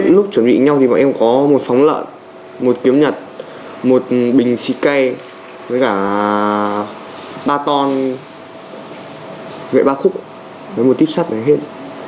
lúc chuẩn bị nhau thì bọn em có một phóng lợn một kiếm nhật một bình xịt cây với cả ba ton vệ ba khúc với một tiếp sát này hết